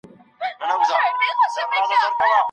موږ به د سیاست په اړه ډېر بحثونه وکړو.